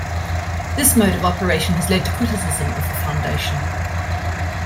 This mode of operation has led to criticism of the foundation.